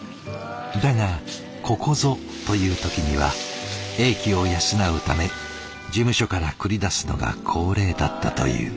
だがここぞという時には英気を養うため事務所から繰り出すのが恒例だったという。